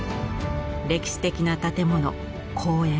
歴史的な建物公園